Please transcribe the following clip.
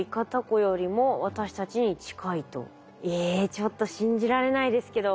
ちょっと信じられないですけど。